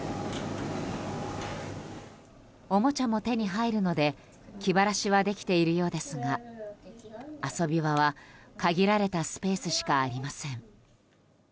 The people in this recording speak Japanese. おもちゃも手に入るので気晴らしはできているようですが遊び場は限られたスペースしかありません。